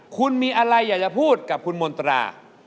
คุณมีอะไรอยากจะพูดกับคุณมนตรา